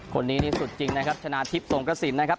คนนี้นี่สุดจริงนะครับชนะทิพย์สงกระสินนะครับ